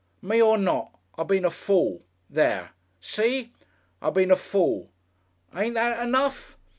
Me or not.... I been a fool. There! See? I been a fool. Ain't that enough?